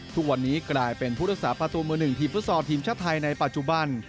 ทุกวันนี้กลายเป็นผู้รักษาประตูมือหนึ่งทีมฟุตซอลทีมชาติไทยในปัจจุบัน